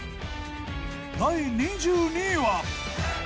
第２２位は。